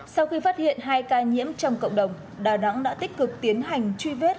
sau khi phát hiện hai ca nhiễm trong cộng đồng đà nẵng đã tích cực tiến hành truy vết